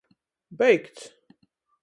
Beigts!